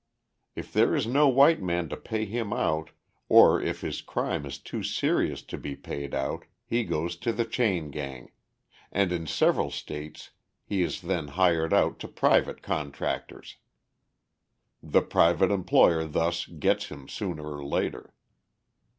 If there is no white man to pay him out, or if his crime is too serious to be paid out, he goes to the chain gang and in several states he is then hired out to private contractors. The private employer thus gets him sooner or later.